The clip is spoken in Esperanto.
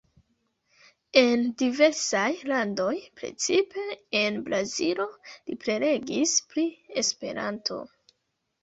En diversaj landoj, precipe en Brazilo, li prelegis pri Esperanto.